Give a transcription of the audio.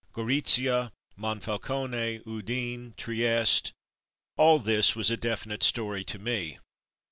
Goritzia, Monfalcone, Udine, Trieste: all this was a definite story to me.